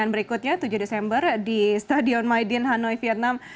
dan berikutnya tujuh desember di stadion maiden hanoi vietnam